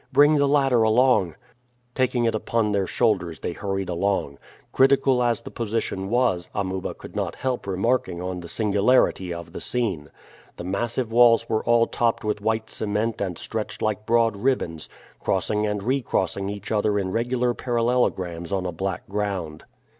Bring the ladder along." Taking it upon their shoulders they hurried along. Critical as the position was, Amuba could not help remarking on the singularity of the scene. The massive walls were all topped with white cement and stretched like broad ribbons, crossing and recrossing each other in regular parallelograms on a black ground.